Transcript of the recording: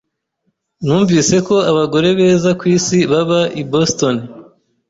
Numvise ko abagore beza ku isi baba i Boston.